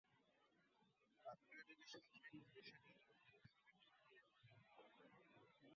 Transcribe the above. আপনিও যদি সাধারণ মানুষের মতো ভাবেন তাহলে কি করে হয়?